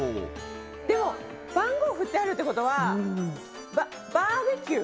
でも番号振ってあるってことはバーベキュー？